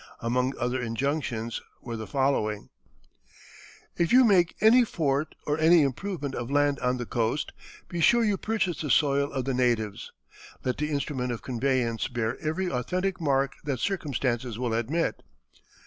Among other injunctions were the following: "If you make any fort or any improvement of land on the coast, be sure you purchase the soil of the natives.... Let the instrument of conveyance bear every authentic mark that circumstances will admit....